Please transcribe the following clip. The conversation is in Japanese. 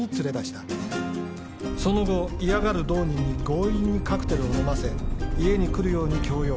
その後嫌がる同人に強引にカクテルを飲ませ家に来るように強要。